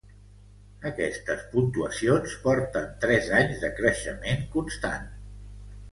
Aquestes puntuacions porten tres anys de creixement constant.